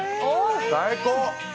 最高！